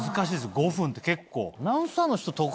５分って結構。